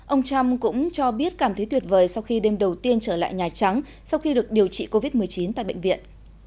ông trump cũng cho biết cảm thấy tuyệt vời sau khi đêm đầu tiên trở lại nhà trắng sau khi được điều trị covid một mươi chín tại bệnh viện